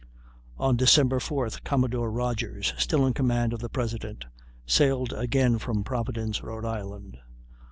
On December 4th, Commodore Rodgers, still in command of the President, sailed again from Providence, Rhode Island.